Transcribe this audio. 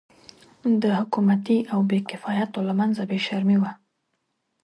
د حکومتي او بې کفایتو له منځه بې شرمي وه.